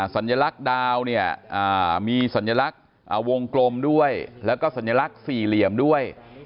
สัญลักษณ์ดาวเนี่ยมีสัญลักษณ์วงกลมด้วยแล้วก็สัญลักษณ์สี่เหลี่ยมด้วย